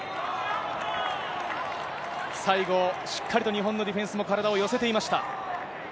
最後、しっかりと日本のディフェンスも体を寄せていました。